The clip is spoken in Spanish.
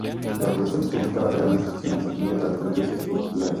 El arzobispo buscaba crear una institución asequible para los estratos populares.